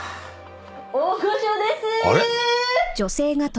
「大御所です！」